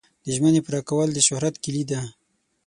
د ژمنې پوره کول د شهرت کلي ده.